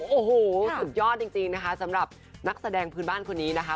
โอ้โหสุดยอดจริงนะคะสำหรับนักแสดงพื้นบ้านคนนี้นะคะ